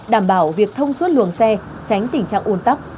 đảm bảo việc thông suốt luồng xe tránh tình trạng ồn tắc